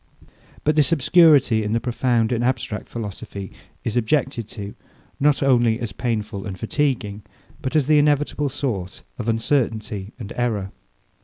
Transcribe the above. But this obscurity in the profound and abstract philosophy, is objected to, not only as painful and fatiguing, but as the inevitable source of uncertainty and error.